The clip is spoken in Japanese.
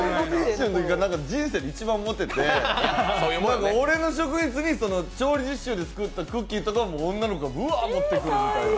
人生で一番モテて、俺の職員室の席に調理実習で作ったクッキーとかも女の子がぶわっ、持ってくるみたいな。